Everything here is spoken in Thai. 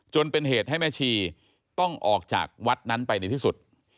จนเป็นเหตุให้แม่ชีต้องออกจากวัดนั้นไปในที่สุด